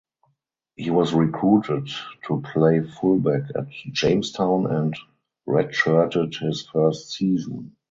He was recruited to play fullback at Jamestown and redshirted his first season.